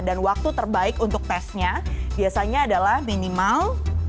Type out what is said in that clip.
dan waktu terbaik untuk tesnya biasanya adalah minimal